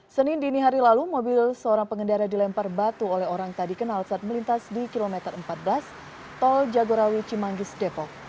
senin dini hari lalu mobil seorang pengendara dilempar batu oleh orang tadi kenal saat melintas di kilometer empat belas tol jagorawi cimanggis depok